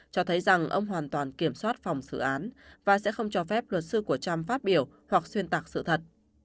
cho thấy rằng ông hoàn toàn kiểm soát phòng xử án và sẽ không cho phép luật sư của trump phát biểu hoặc xuyên tạc sự thật